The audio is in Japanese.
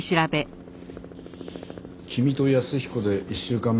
君と安彦で１週間前